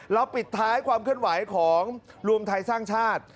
ปิดท้ายความเคลื่อนไหวของรวมไทยสร้างชาติ